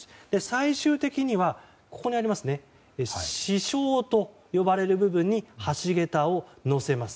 最終的には支承と呼ばれる部分に橋桁を載せます。